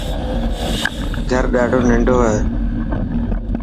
گھر ڏاڌو ننڊ هي.